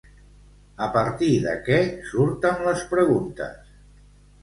A partir de què surten les preguntes?